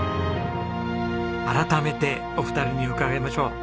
改めてお二人に伺いましょう。